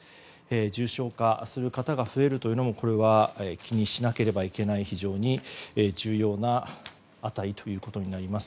重症化する方が増えるというのもこれは気にしなければいけない非常に重要な値ということになります。